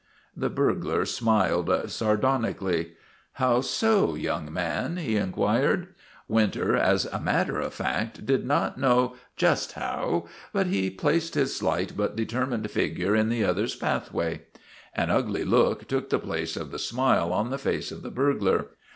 The burglar smiled sardonically. ' How so, young man? " he inquired. Winter, as a matter of fact, did not know just how, but he placed his slight but determined figure in the other's pathway. An ugly look took the place of the smile on the face of the burglar.